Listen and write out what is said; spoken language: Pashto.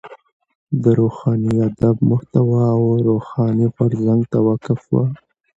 د روښاني ادب محتوا و روښاني غورځنګ ته وقف وه.